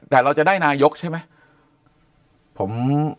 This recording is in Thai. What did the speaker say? แต่เราจะได้นายกใช่ไหม